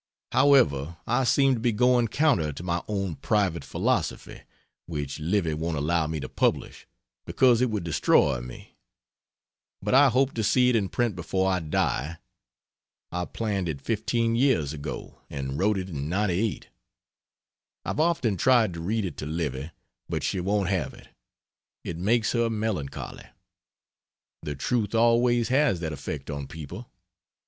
However, I seem to be going counter to my own Private Philosophy which Livy won't allow me to publish because it would destroy me. But I hope to see it in print before I die. I planned it 15 years ago, and wrote it in '98. I've often tried to read it to Livy, but she won't have it; it makes her melancholy. The truth always has that effect on people.